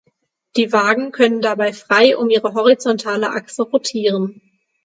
Die Wagen können dabei frei um ihre horizontale Achse rotieren.